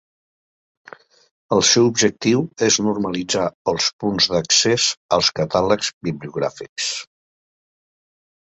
El seu objectiu és normalitzar els punts d'accés als catàlegs bibliogràfics.